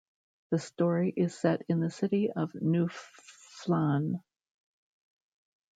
The story is set in the city of New Phlan.